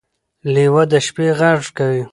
لیوه د شپې غږ کوي.